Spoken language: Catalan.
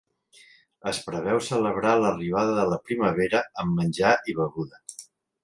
Es preveu celebrar l'arribada de la primavera amb menjar i beguda.